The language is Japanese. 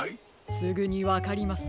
すぐにわかります。